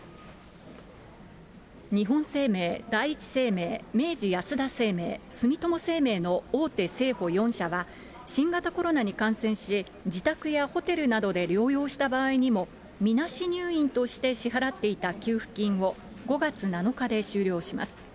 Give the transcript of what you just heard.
日本生命、第一生命、明治安田生命、住友生命の大手生保４社は、新型コロナに感染し、自宅やホテルなどで療養した場合にも、みなし入院として支払っていた給付金を５月７日で終了します。